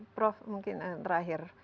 prof mungkin terakhir